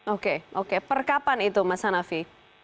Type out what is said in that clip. oke oke perkapan itu mas hanafi